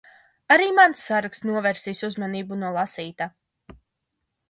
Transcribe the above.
Arī mans sargs novērsis uzmanību no lasītā.